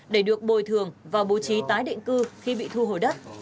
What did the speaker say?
để được bồi thường và bố trí tái định cư khi bị thu hồi đất